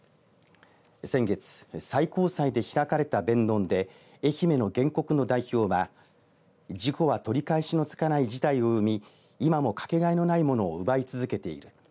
先月、最高裁で開かれた弁論で愛媛の原告の代表は事故は取り返しのつかない事態を生み今もかけがえのないものを奪い続けている。